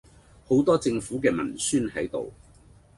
好多政府既文宣係度